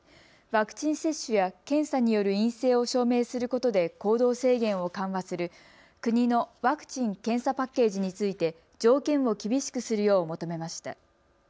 ワクチン接種や検査による陰性を証明することで行動制限を緩和する国のワクチン・検査パッケージについて条件を厳しくするよう求めました。